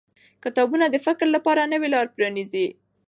کتابونه د فکر لپاره نوې لارې پرانیزي